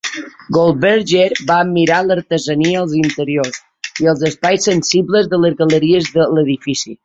Goldberger va admirar l'artesania, els interiors i els espais sensibles de les galeries de l'edifici.